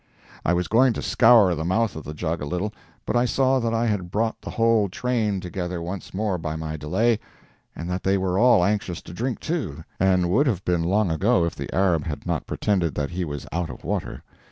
I was going to scour the mouth of the jug a little, but I saw that I had brought the whole train together once more by my delay, and that they were all anxious to drink too and would have been long ago if the Arab had not pretended that he was out of water.